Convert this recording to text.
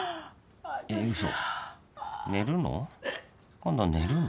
今度寝るの？